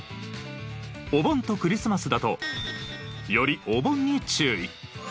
お盆とクリスマスだとよりお盆に注意。